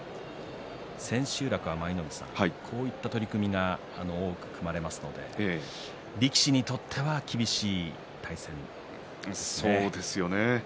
千秋楽は、こういった取組が多く組まれますので力士にとっては厳しい対戦ですね。